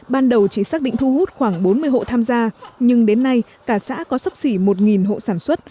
ban đầu chỉ xác định thu hút khoảng bốn mươi hộ tham gia nhưng đến nay cả xã có sắp xỉ một hộ sản xuất